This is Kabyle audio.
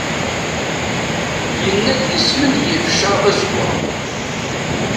Yenna-d yesmenyif ccrab azewwaɣ.